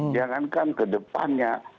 jangankan ke depannya